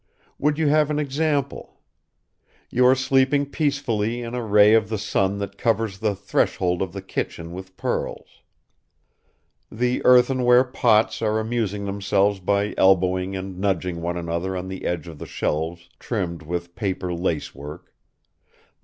Would you have an example? You are sleeping peacefully in a ray of the sun that covers the threshold of the kitchen with pearls. The earthenware pots are amusing themselves by elbowing and nudging one another on the edge of the shelves trimmed with paper lace work.